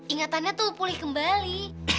ingatannya tuh pulih kembali